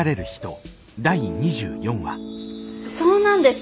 そうなんですか！？